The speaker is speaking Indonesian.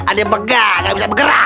aneh bega gak bisa bergerak